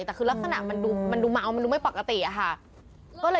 แต่ลักษณะดูเมล์มันดูไม่ปกติอ่ะค่ะ